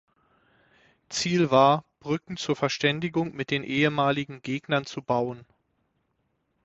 Ziel war, Brücken zur Verständigung mit den ehemaligen Gegnern zu bauen.